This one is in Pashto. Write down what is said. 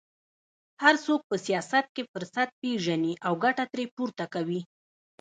هر څوک په سیاست کې فرصت پېژني او ګټه ترې پورته کوي